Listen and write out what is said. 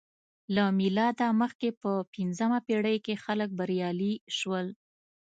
له میلاده مخکې په پنځمه پېړۍ کې خلک بریالي شول